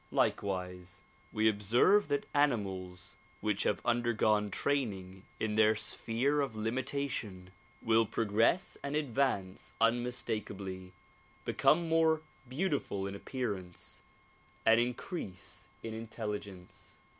Likewise we observe that animals which have undergone training in their sphere of limitation will pro gress and advance unmistakably, become more beautiful in appear ance and increase in intelligence.